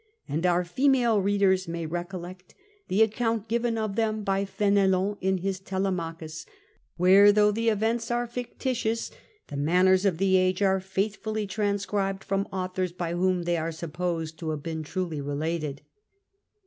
And our female readers may recollect the account given of them by F^n^lon in his Tdemculm^ where, though the events are fictitious, the manners of the age are faithfully transcribed from authors by whom they are supposed to have been truly related."